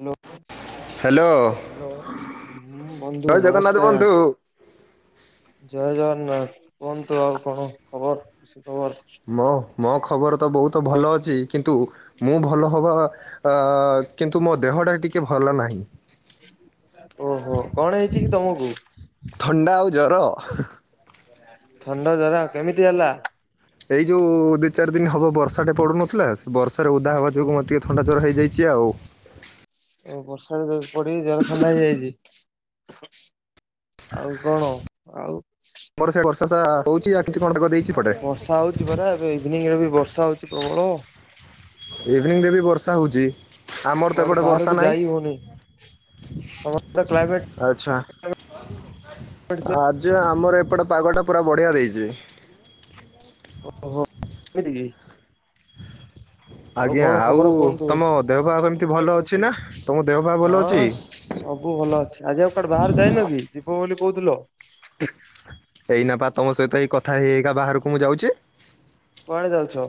Hello hello hello. ବନ୍ଧୁ ଜୟ ଜଗନ୍ନାଥ ବନ୍ଧୁ। ନମସ୍କାର। ଜୟ ଜଗନ୍ନାଥ। କୁହନ୍ତୁ ଆଉ କଣ ଖବର ଖୁସି ଖବର? ମୋ ମୋ ଖବର ତ ବହୁତ ଭଲ ଅଛି କିନ୍ତୁ ମୁଁ ଭଲ ହବା ତ କିନ୍ତୁ ମୋ ଦେହଟା ଟିକେ ଭଲ ନାହିଁ। ଓହୋ କଣ ହେଇଛି କି ତମକୁ? ଥଣ୍ଡା ଆଉ ଜର। ଥଣ୍ଡା ଜର ଆଉ କେମିତି ହେଲା? ଏଇ ଯୋଉ ଦି ଚାରି ଦିନ ହବ ବର୍ଷାଟେ ପଡୁନଥିଲା ସେ ବର୍ଷାରେ ଓଦା ହେବା ଯୋଗୁଁ ମ ଟିକେ ଥଣ୍ଡା ଜର ହେଇଯାଇଛି ଆଉ। ଓ ବର୍ଷାରେ ପଡିି ଜର ଥଣ୍ଡା ହେଇଯାଇଛି? ଆଉ କଣ? ଆଉ? ଆମର ସେ ବର୍ଷା ସା ହଉଛି ଆ କେମିତି କଣ ପାଗ ଦେଇଛି? ଏପଟେ ବର୍ଷା ହଉଛି ପ୍ରବଳ ଏବେ ଇଭିନିଂ ରେ ବି ବର୍ଷା ହଉଛି ପ୍ରବଳ। ଇଭିନିଂ ରେ ବି ବର୍ଷା ହଉଛି। ଆମର ତ କୁଆଡ଼େ ଏପଟେ ବର୍ଷା ବାହାରକୁ ନାହିଁ ଯାଇ ହଉନି ତମ କ୍ଲାଇମେଟ ଆଚ୍ଛା ଆଜି ଆମର ଏପଟେ ପାଗଟା ପୁରା ବଢ଼ିଆ ଦେଇଛିି। ଓହୋ ଏମିତି କି? ଆଜ୍ଞା କଣ ଆଉ ଖବର କୁହନ୍ତୁ ହଁ। ତମ ଦେହ ପାହା କେମିତି ଭଲ ଅଛି ନା ତମ ଦେହ ପାହା ଭଲ ଅଛି? ସବୁ ଭଲ ଅଛି ଆଜି ଆଉ କୁଆଡେ ବାହାରେ ଯାଇନ କି ଯିବ ବୋଲି କହୁଥିଲ? ଏଇନା ପା ତମ ସହିତ ଏଇ କଥା ହେଇ ହେଇକା ବାହାରକୁ ମୁଁ ଯାଉଛି। କୁଆଡେ ଯାଉଛ?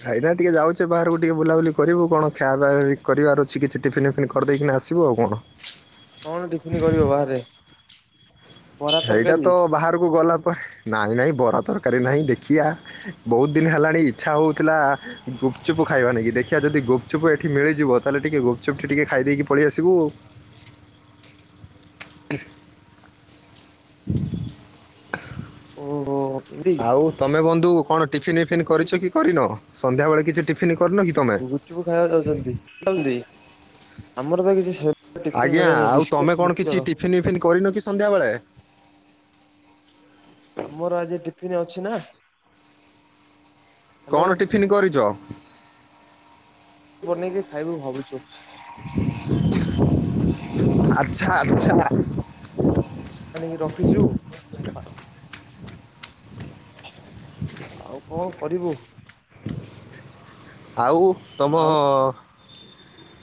ଭାଇନା ଟିକେ ଯାଉଛି ବାହାରକୁ ଟିକେ ବୁଲାବୁଲି କରିବୁ କଣ ଖିଆ ପିଆ କରିବାର ଅଛି କିଛି ଟିଫିନ ଟିଫିନ୍ କରିଦେଇକିନା ଆସିବୁ ଆଉ କଣ? କଣ ଟିଫିନ କରିବ ବାହାରେ? ବରା ସେଇଟା ତରକାରୀ ତ ବାହାରକୁ ଗଲା ପରେ ନାହିଁ ନାହିଁ ବରା ତରକାରୀ ନାହିଁ ଦେଖିବା। ବହୁତ ଦିନ ହେଲାଣି ଇଚ୍ଛା ହଉଥିଲା ଗୁପଚୁପ ଖାଇବା ନେଇକି ଦେଖିବା ଯଦି ଗପଚୁପ ଏଠି ମିଳିଯିବ ତାହେଲେ ଟିକେ ଗପଚୁପ୍ ଟିକେ ଖାଇଦେଇକି ପଳେଇ ଆସିବୁ ଆଉ। [inaudible] ଓହୋ। ଆଉ ତମେ ବନ୍ଧୁ କଣ ଟିଫିନ୍ ଫିପିନ୍ କରିଛ କି କରିନ ସନ୍ଧ୍ୟାବେଳେ କିଛି ଟିଫନ୍ କରିନ କି? ତମେ ଗୁପଚୁପ ଖାଇବାକୁ ଯାଉଛନ୍ତି [inaudible] ଆମର ତ କିଛି ସେମିତି ଟିଫିନ ଆଜ୍ଞା ମିଳେନି ଆଉ ବିସ୍କିଟ ତମେ କଣ କିଛି ମିକ୍ସଚର ଟିଫିନ ଇଫିନ୍ କରିନ କି ସନ୍ଧ୍ୟାବେଳେ? ଆମର ଆଜି ଟିଫିନ ଅଛି ନା? ହ୍ୟାଲୋ କଣ ଟିଫିନ୍ କରିଛ? ବନେଇକି ଖାଇବୁ ଭାବୁଛୁ। ଆଛା ଆଛା। ଆଣିକି ରଖିଛୁ ଆଉ କଣ କରିବୁ? ଆଉ ତମ? ଆଉ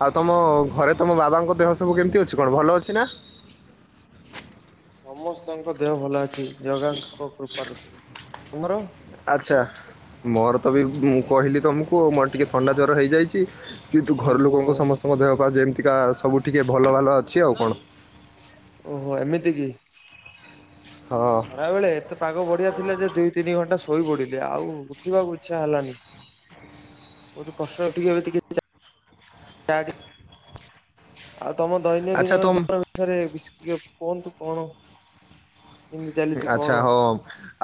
ଆଉ ତମ ଘରେ ତମ ବାବାଙ୍କ ଦେହ ସବୁ କେମିତି ଅଛି କଣ? ଭଲ ଅଛି ନା? ସମସ୍ତଙ୍କ ଦେହ ଭଲ ଅଛି ଜଗାଙ୍କ କୃପାରୁ। ତମର? ଆଛା, ମୋର ତ ବି ମୁଁ କହିଲି ତମକୁ ମୋର ଟିକେ ଥଣ୍ଡା ଜର ହେଇଯାଇଛି। କିନ୍ତୁ ଘର ଓହୋ ଲୋକଙ୍କ ସମସ୍ତଙ୍କ ଦେହ ପା ଯେମିତିକା ସବୁ ଟିକେ ଭଲ ଭାଲ ଅଛି ଆଉ କଣ? ଓହୋ ଏମିତି କି? ହଁ ଅଁ ଖରାବେଳେ ଏତେ ପାଗ ବଢ଼ିଆ ଥିଲା ଯେ ଦୁଇ ତିନି ଘଣ୍ଟା ଶୋଇପଡ଼ିଲି, ଆଉ ଉଠିବାକୁ ଇଛା ହେଲାନି। ବହୁତ କଷ୍ଟରେ ଟିକେ ଟିକେ ଆଉ ତମ ଆଚ୍ଛା ତମ ଦୈନନ୍ଦିନର ଜୀବନ ଏଠାରେ ବିସ୍ ଟିକେ କୁହନ୍ତୁ କଣ? କେମିତି ଚାଲିଛି କଣ? ଆଛା, ହଉ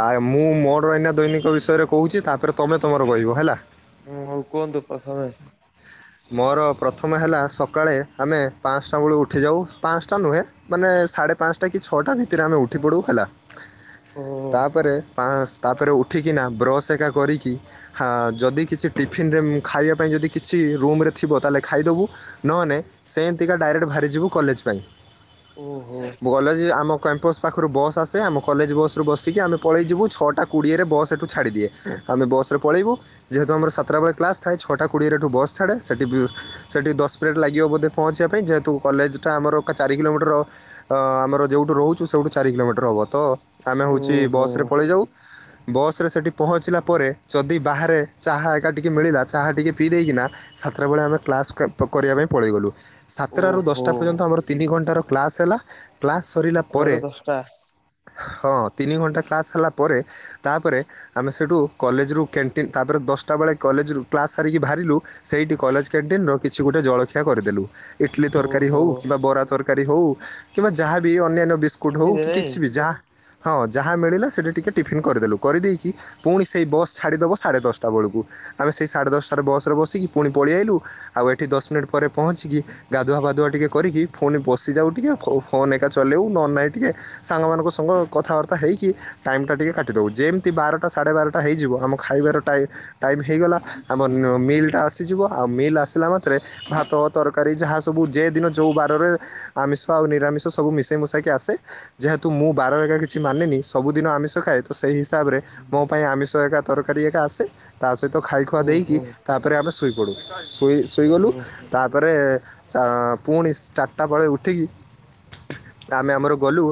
ଆ ମୁଁ ମୋର ଏନା ଦୈନିକ ବିଷୟରେ କହୁଛି ତାପରେ ତମେ ତମର କହିବ ହେଲା? ହୁଁ ହଉ କୁହନ୍ତୁ ପ୍ରଥମେ ମୋର ପ୍ରଥମ ହେଲା ସକାଳେ ଆମେ ପାଞ୍ଚଟା ବେଳୁ ଉଠିଯାଉ। ପାଞ୍ଚଟା ନୁହେଁ ମାନେ ସାଢେ ପାଞ୍ଚଟା କି, ଛଅଟା ଭିତରେ ଆମେ ଉଠି ପଡୁ ହେଲା। ଓହୋ ତାପରେ ପାନସ୍ ତାପରେ ଉଠିକିନା ବ୍ରସ୍ ଏକା କରିକି ହଁ ଯଦି କିଛି ଟିଫିନ ରେ ଖାଇବା ପାଇଁ ଯଦି କିଛି ରୁମରେ ଥିବ ତାହେଲେ ଖାଇଦବୁ, ନହେନେ ସେ ଏମତିକା ଡାଇରେକ୍ଟ ବାହାରିଯିବୁ କଲେଜ ପାଇଁ। ଓହୋ କଲେଜ ଆମ କ୍ୟାମ୍ପସ୍ ପାଖରୁ ବସ୍ ଆସେ ଆମ କଲେଜ ବସ୍ ରେ ବସି କି ଆମେ ପଳେଇଯିବୁ, ଛଅଟା କୋଡ଼ିଏରେ ବସ୍ ଏଇଠୁ ଛାଡ଼ିଦିଏ, ଆମେ ବସ୍ ରେ ପଳେଇବୁ ଯେହେତୁ ଆମର ସାତଟା ବେଳେ କ୍ଲାସ ଥାଏ, ଛଟା କୋଡିଏରେ ଏଠୁ ବସ୍ ଛାଡେ, ସେଠି ସେଇଠି ଦଶ ମିନିଟ୍ ଲାଗିବ ବୋଧେ ପହଞ୍ଚିବା ପାଇଁ, ଯେହେତୁ କଲେଜଟା ଆମର ଚାରି କିଲୋମିଟର ଆମର ଯେଉଠ ରହୁଛ ସେଇଠ ଚାର କିଲୋମିଟର ହବ। ତ ଆମେ ହେଉଛି ଓହୋ ବସ୍ ରେ ପଳେଇ ଯାଉ ବସ୍ ରେ ସେଇଠି ପହଞ୍ଚିଲା ପରେ, ଯଦି ବାହାରେ ଚାହା ଏକା ଟିକିଏ ମିଳିଲା, ଚାହା ଟିକିଏ ପିଇ ଦେଇକିନା ସାତଟାବେେଳେ ଆମେ କ୍ଲାସ୍ କରିବା ପାଇଁ ପଳେଇଗଲୁ। ସାତଟାରୁ ଓହୋ। ଦଶଟା ପର୍ଯ୍ୟନ୍ତ ଆମର ତିନି ଘଣ୍ଟାର କ୍ଲାସ୍ ହେଲା। କ୍ଲାସ୍ ସରିଲା ସାତଟାରୁ ପରେ, ଦଶଟା ହଁ ତିନି ଘଣ୍ଟା କ୍ଲାସ୍ ସରିଲା ପରେ, ତା ପରେ ଆମେ ସେଇଠୁ କଲେଜରୁ କ୍ୟାଣ୍ଟିନ୍ ତାପରେ ଦଶଟା ବେଳେ କଲେଜରୁ କ୍ଲାସ୍ ସାରିକି ବାହାରିଲୁ ସେଇଠି କଲେଜ କ୍ୟାଣ୍ଟିନର କିଛି ଗୋଟେ ଜଳଖିଆ କରିଦେଲୁ। ଇଟଲି ତରକାରୀ ଓହୋ ହେଉ କିମ୍ବା ବରା ତରକାରୀ ତରକାରୀ ହଉ। କିମ୍ବା ଯାହା ବିି ଅନ୍ୟାନ୍ୟ ବିସ୍କୁଟ୍ ହେଉ ଏମିତି କି ନାଇଁ କିଛି ବି ଯାହା ହଁ ଯାହା ମିଳିଲା, ସେଇଠି ଟିକେ ଟିଫିନ୍ କରିଦେଲୁ। କରିଦେଇକି ପୁଣି ସେଇ ବସ୍ ଛାଡ଼ିଦେବ ସାଢ଼େ ଦଶଟା ବେଳକୁ, ଆମେ ସେଇ ସାଢ଼େ ଦଶଟାରେ ବସ୍ ରେ ବସିକି ପୁଣି ପଳେଇ ଆଇଲୁ ଆଉ ଏଠି ଦଶ ମିନିଟ୍ ପରେ ପହଞ୍ଚିକି ଗାଧୁଆବାଧୁଆ ଟିକେ କରିକି, ଫୁଣି ବସିଯାଉ ଟିକେ, ଫୋନ୍ ଏକା ଚଲେଇବୁ ନ ନାହିଁ ଟିକେ ସାଙ୍ଗମାନଙ୍କ ସଙ୍ଗ କଥାବାର୍ତ୍ତା ହେଇକି ଟାଇମ୍ ଟା ଟିକେ କାଟିଦଉଚି। ଯେମିତି ବାରଟା ସାଢ଼େ ବାରଟା ହେଇଯିବ ଆମ ଖାଇବାର ଟାଇ ଟାଇମ୍ ହେଇଗଲା, ଆମ ନ ମିଲ୍ ତ ଆସିଯିବ। ଆଉ ମିଲ୍ ଆସିଲା ମାତ୍ରେ ଭାତ ତରକାରୀ ଯାହା ସବୁ ଯେ ଦିନ ଯେଉଁ ବାରରେ ଆମିଷ ଆଉ ନିରାମିଷ ସବୁ ମିଶେଇ ମୁଶାକି ଆସେ ଯେହେତୁ ମୁଁ ବାର ହରିକା କିଛି ମାନେନି ସବୁଦିନ ଆମିଷ ଖାଏ ତ ସେହି ହିସାବରେ ମୋ ପାଇଁ ଆମିଷ ଏକା ତରକାରୀ ଏକା ଆସେ। ତା ସହିତ ଖାଇଖୁଆ ଦେଇକି ଓହୋ। ତା ତାପରେ ଶୋଇ ପଡ଼ୁ, ଶୋଇ ଶୋଇ ଗଲୁ ଓ ତା ତା ପରେ ପୁଣି ଚାରିଟା ବେଳେ ଉଠିକି ଆମେ ଆମର ଗଲୁ।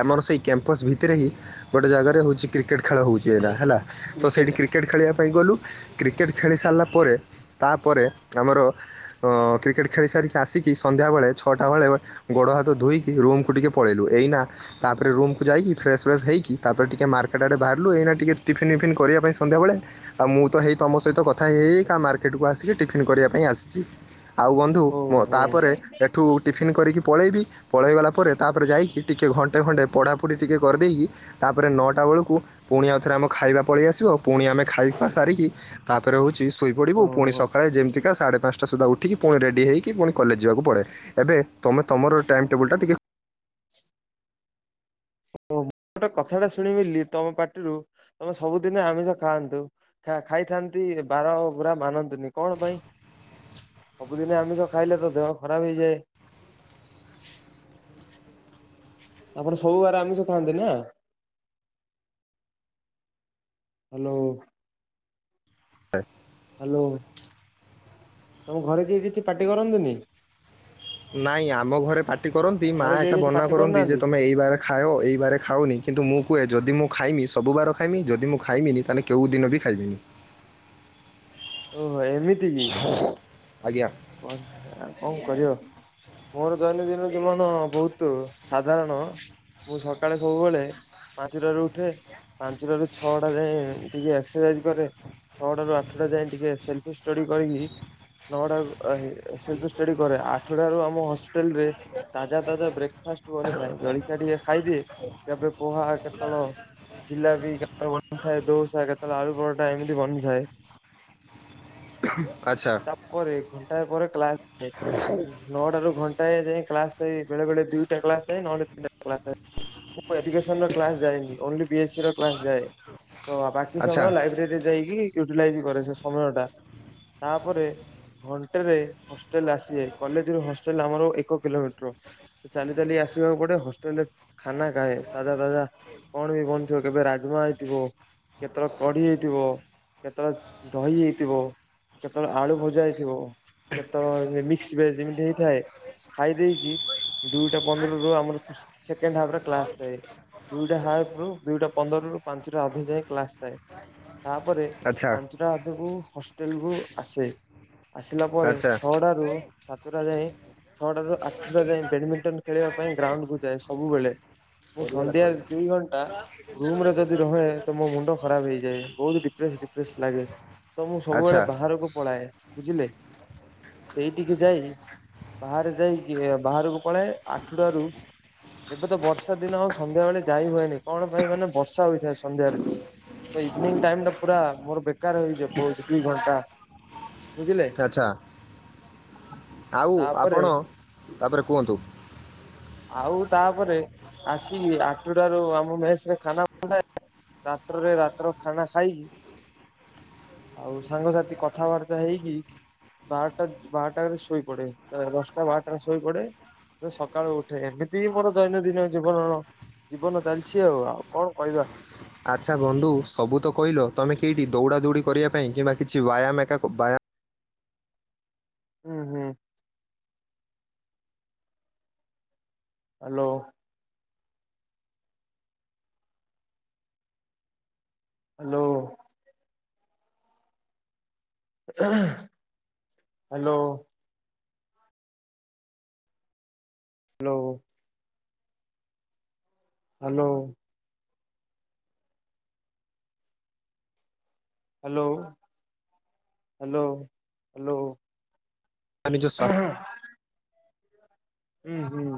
ଆମର ସେଇ କ୍ୟାମ୍ପସ ଭିତରେ ହିଁ ଗୋଟେ ଜାଗାରେ ହଉଛି। କ୍ରିକେଟ୍ ଖେଳ ହେଉଛି ଏଇନା ହେଲା ତ କ୍ରିକେଟ ସେଇଠି କ୍ରିକେଟ୍ ଖେଳିବା ପାଇଁ ଗଲୁ କ୍ରିକେଟ୍ ଖେଳି ସାରିଲା ପରେ ତାପରେ ଆମର ଅ କ୍ରିକେଟ ଖେଳି ସାରିକି ଆସିକି କି ସନ୍ଧ୍ୟାବେଳେ ଛଅଟା ବେଳେ ଗୋଡ଼ ହାତ ଧୋଇକି ରୁମ୍ କୁ ଟିକେ ପଳେଇଲୁ ଏଇନା ତା ପରେ ରୁମ୍ କୁ ଯାଇକି ଫ୍ରେଶସ୍ ଫ୍ରେଶସ୍ ହେଇକି ତାପରେ ଟିକିେ ମାର୍କେଟ ଆଡ଼େ ବାହାରିଲ ଏଇନା ଟିକେ ଟିଫିନ୍ ଫିପିନ୍ କରିବା ପାଇଁ ସନ୍ଧ୍ୟାବେଳେ ଆଉ ମୁଁ ତ ହେଇ ତମ ସହିତ କଥା ହେଇ ହେଇକା ମାର୍କେଟକୁ ଆସିକି ଟିଫିନ୍ କରିବା ପାଇଁ ଆସିଛି। ଆଉ ବନ୍ଧୁ ମ ଓହୋ ତାପରେ ଏଠୁ ଟିଫିନ୍ କରିକି ପଳେଇବି ପଳେଇଗଲା ପରେ ତାପରେ ଯାଇକି ଟିକେ ଘଣ୍ଟେ ଘଣ୍ଟେ ପଢାପଢି ଟିକେ କରି ଦେଇକି ତାପରେ ନଅଟା ବେଳକୁ ପୁଣି ଆଉଥରେ ଆମେ ଖାଇବା ପଳେଇ ଆସିବ ଆଉ। ପୁଣି ଆମେ ଖାଇ ଖୁଆ ସାରିକି ତାପରେ ହେଉଛି ଶୋଇପଡ଼ିବ ପୁଣି ଓହୋ ସକାଳେ ଯେମିତିକା ସାଢ଼େ ପାଞ୍ଚଟା ସୁଦ୍ଧା ଉଠୁ ଟିକଏ ପୁଣି ରେଡ଼ି ହୋଇକି ପୁଣି କଲେଜ ଯିବାକୁ ପଡ଼େ ଏବେ ତୁମେ ତମର ଟାଇମ୍ ଟେବଲ ଟା ଟିକେ ଓ ମୁଁ ଗୋଟେ କଥାଟା ଶୁଣିବି ତମ ପାଟିରୁ ତମେ ସବୁଦିନ ଆମିଷ ଖାଆନ୍ତୁ। ଖା-ଖାଇଥାନ୍ତି ବାର ପୁରା ମାନନ୍ତିନି କଣ ପାଇଁ? ସବୁଦିନେ ଆମିଷ ଖାଇଲେ ତ ଦେହ ଖରାପ ହେଇଯାଏ। ଆପଣ ସବୁ ବାରେ ଆମିଷ ଖାଆନ୍ତି ନା। ହ୍ୟାଲୋ। [unintelligible] ହ୍ୟାଲୋ। ତମ ଘରେ କେହି କିଛି ପାର୍ଟି କରନ୍ତନି? ନାଇଁ ଆମ ଘରେ ପାର୍ଟି କରନ୍ତି ମା ଘରେ କେହି ଏକା କିଛି ବନା ପାଟି କରନ୍ତି ଯେ କରୁନାହାନ୍ତି? ତମେ ଏଇ ବାର ଖାଅ ଏଇ ବାରେ ଖାଉନି କିନ୍ତୁ ମୁଁ କୁହେ ଯଦି ମୁଁ ଖାଇମି ସବୁବାର ଖାଇମି ଯଦି ମୁଁ ଖାଇମିନି ତାହେଲେ କେଉଁ ଦିନ ବି ଖାଇବିନି। ଓହୋ ଭାଇ ଏମିତି କି? ଆଜ୍ଞା। ବସ ଆଉ କଣ କରିବ? ମୋର ଦୈନଦିନ ଜୀବନ ବହୁତ ସାଧାରଣ ମୁଁ ସକାଳେ ସବୁବେଳେ ପାଞ୍ଚଟାରୁ ଉଠେ ପାଞ୍ଚଟାରୁ ଛଅଟା ଯାଏ ଟିକେ ଏକ୍ସରସାଇଜ କରେ। ଛଅଟା ରୁ ଆଠଟା ଯାଏ ଟିକେ ସେଲଫି ଷ୍ଟଡି କରିକି ନଅଟା ଆ ସେଲଫି ଷ୍ଟଡି କରେ ଆଠଟା ରୁ ଆମ ହଷ୍ଟେଲରେ ତାଜା ତାଜା ବ୍ରେକ ଫାଷ୍ଟ ବନିଥାଏ ଜଳିକିଆ ଟିକେ ଖାଇଦିଏ ତା ପୋହା କେତେଳ ଜିଲାପି କେତେବେଳେ ବନିଥାଏ ଦୋସା କେତେବେଳେ ଆଳୁ ପରଟା ଏମିତି ବନିଥାଏ। ଆଚ୍ଛା। ତା ପରେରେ ଘଣ୍ଟା ପରେ କ୍ଲାସ ଥାଏ। ନଅଟା ରୁ ଘଣ୍ଟା ଯାଏ କ୍ଲାସ ଥାଏ ବେଳେ ବଳେ ଦିଇଟା କ୍ଲାସ ଯଏ ନହେଲେ ତିନିଟା କ୍ଲାସ ଥାଏ। ମୁଁ ଏଜୁକେସନ୍ କ୍ଲାସ ଯାଏନି ଓନଲି ବି ଏ ସି ର କ୍ଲାସ ଯାଏ। ତ ବାକି ଆଚ୍ଛା ସମୟ ଲାଇବ୍ରେରୀରେ ଯାଇକି ୟୁଟିଲାଇଜ କରେ ସେ ସମୟ ଟା। ତାପରେ ଘଣ୍ଟେରେ ହଷ୍ଟେଲ ଆସିବେ କଲେଜର ହଷ୍ଟେଲ ଆମର ଏକ କିଲୋମିଟର। ଚାଲି ଚାଲି ଆସିବାକୁ ପଡେ ହଷ୍ଟେଲ ରେ ଖାନା କାଏଁ ତାଜା ତାଜା। କଣ ବି ବନିଥିବ କେବେ ରାଜମା ହେଇଥିବ। କେତେବେଳେ କ଼ଡ଼ି ହେଇଥିବ କେତେବେଳେ ଦହି ହେଇଥିବ। କେତେବେଳେ ଆଳୁ ଭଜା ହେଇଥିବ କେତେବେଳେ ମିକ୍ସ ଭେଜ ଏମତି ହେଇଥାଏ। ଖାଇ ଦେଇକି ଦୁଇଟା ପନ୍ଦର ରୁ ଆମର ସେକେଣ୍ଡ ହାପରେ କ୍ଲାସ ଥାଏ। ଦୁଇଟା ହାଫ ରୁ ଦୁଇଟା ପନ୍ଦରରୁୁ ପାଞ୍ଚରୁ ଅଧ ଯାଏଁ କ୍ଲାସ ଥାଏ। ତାପରେ ଆଚ୍ଛା ପାଞ୍ଚଟା ଆଧେକୁ ହଷ୍ଟେଲ କୁ ଆସେ। ଆସିଲା ପରେ ଆଚ୍ଛା ଛଅଟା ରୁ ସାତଟା ଯାଏ ଛଅଟାରୁୁ ଆଠଟା ଯାଇଏ ବ୍ୟାଡମିଣ୍ଟନ ଖେଳ ପାଇଁ ଗ୍ରାଉଣ୍ଡକୁୁ ଯାଏ ସବୁବେଳେ। ମୁଁ ସରିଗଲା ସନ୍ଧ୍ୟା ସରିଗଲା ଦୁଇ ଘଣ୍ଟା ରୁମରେ ଯଦି ରହେ ତ ମୋ ମୁଣ୍ଡ ଖରାପ ହେଇଯାଏ ବହୁତ ଡିପ୍ରେସ ଡିପ୍ରେସ ଲାଗେ ତ ମୁଁ ଆଚ୍ଛା ସବୁବେଳେ ବାହାରକୁ ପଳାଏ ବୁଝିଲେ? ସେଇଠିକି ଯାଇ ବାହାରେ ଯାଇିକି ବାହାରକୁ ପଳାଏ ଆଠଟାରୁ ଏବେ ତ ବର୍ଷା ଦିନ ଆଉ ସନ୍ଧ୍ୟା ବେଳେ ଯାଇ ହୁଏନି କଣ ପାଇଁ ମାନେ ବର୍ଷା ହୋଇଥାଏ ସନ୍ଧ୍ୟାରେ। ତ ଇଭିନିଂ ଟାଇମ୍ ଟା ପୁରା ମୋର ବେକାର ହେଇଯିବ ବହୁତ୍ ଦୁଇ ଘଣ୍ଟା। ବୁଝିଲେ ଆଚ୍ଛା ଆଉ ତାପରେ ଆପଣ ତାପରେ କୁହନ୍ତୁ। ଆଉ ତାପରେ ଆସିକି ଆଠଟାରୁ ଆମ ମେସରେ ଖାନା [unintelligible] ରାତ୍ରରେ ରାତ୍ର ଖାନା ଖାଇକି ଆଉ ସାଙ୍ଗସାଥି କଥାବାର୍ତ୍ତା ହେଇକି ବାରଟା ବାରଟା ଶୋଇପଡେ ଦଶଟା ବାରଟା ଶୋଇପଡେ ସକାଳୁ ଉ ଟେ ଏମିତି ହିଁ ମୋର ଦୈନନ୍ଦିନ ଜୀବନ ଜୀବନ ଚାଲିଛି ଆଉ ଆଉ କଣ କହିବା? ଆଚ୍ଛା ବନ୍ଧୁ ସବୁ ତ କହିଲ ତମେ କେହିଠି ଦୌଡ଼ା ଦୌଡ଼ି କରିବା ପାଇଁ କିମ୍ବା କିଛି ବ୍ୟାୟାମୟ ହୁଁ ହୁଁ। Hello. Hello. Hello. Hello. Hello. Hello hello hello. ଆ ନିଜ ସ୍ୱ ହୁଁ ହୁଁ।